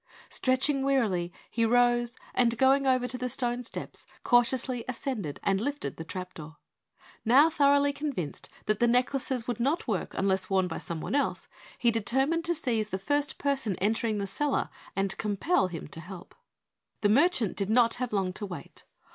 Stretching wearily, he rose and, going over to the stone steps, cautiously ascended and lifted the trapdoor. Now thoroughly convinced that the necklaces would not work unless worn by someone else, he determined to seize the first person entering the cellar and compel him to help. The merchant did not have long to wait.